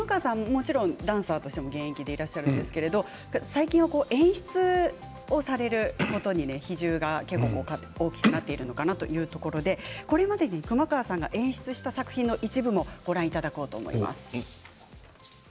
もちろんダンサーとしても現役でいらっしゃるんですけれども最近は演出をされることに比重が結構大きくなっているのかなというところで、これまでに熊川さんが演出した作品の一部もご覧いただきます。